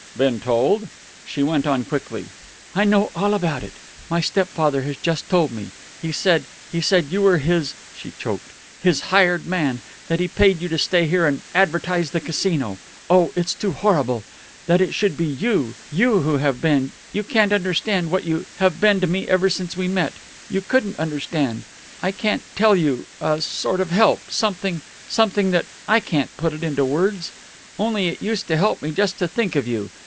"Been told?" She went on quickly. "I know all about it. My stepfather has just told me. He said he said you were his " she choked "his hired man; that he paid you to stay here and advertise the Casino. Oh, it's too horrible! That it should be you! You, who have been you can't understand what you have been to me ever since we met; you couldn't understand. I can't tell you a sort of help something something that I can't put it into words. Only it used to help me just to think of you.